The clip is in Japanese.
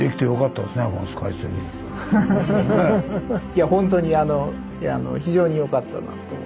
いやほんとに非常によかったなと。